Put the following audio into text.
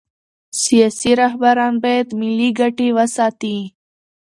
سیاسي رهبران باید ملي ګټې وساتي